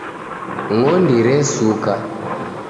Ng'ondi resuka